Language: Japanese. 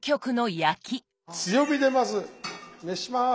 強火でまず熱します！